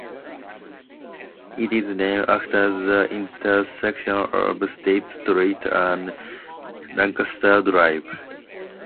It is named after the intersection of State Street and Lancaster Drive.